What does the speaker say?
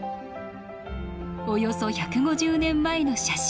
およそ１５０年前の写真。